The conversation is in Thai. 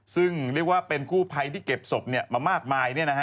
ซึ่งเรียกว่าเป็นกู้ภัยที่เก็บศพมามากมาย